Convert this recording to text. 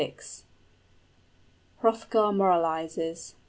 XXVI. HROTHGAR MORALIZES.